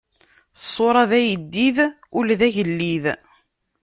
Ṣṣuṛa d ayeddid, ul d agellid.